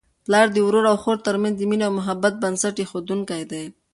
پلار د ورور او خور ترمنځ د مینې او محبت بنسټ ایښودونکی دی.